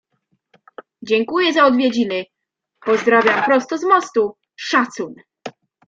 Dziękuję za odwiedziny. Pozdrawiam prosto z mostu. Szacun